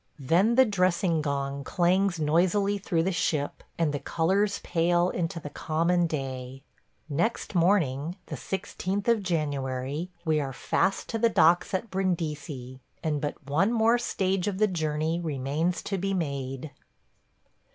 Then the dressing gong clangs noisily through the ship and the colors pale into the common day. Next morning, the 16th of January, we are fast to the docks at Brindisi, and but one more stage of the journey remains to be made.